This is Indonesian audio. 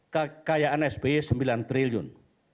kekayaan sby sembilan triliun